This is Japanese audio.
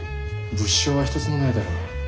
物証は一つもないだろ。